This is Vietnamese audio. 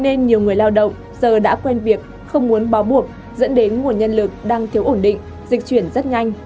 nên nhiều người lao động giờ đã quen việc không muốn bó buộc dẫn đến nguồn nhân lực đang thiếu ổn định dịch chuyển rất nhanh